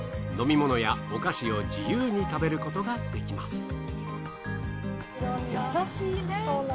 飲み物やお菓子を自由に食べることができます。